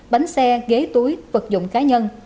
bánh xe ghế túi vật dụng cá nhân